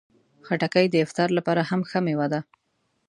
خټکی د افطار لپاره هم ښه مېوه ده.